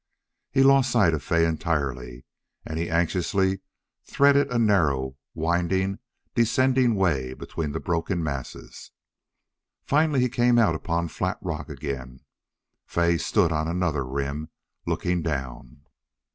He lost sight of Fay entirely, and he anxiously threaded a narrow, winding, descending way between the broken masses. Finally he came out upon flat rock again. Fay stood on another rim, looking down.